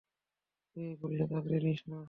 তুই এই পুলিশের চাকরি নিস না।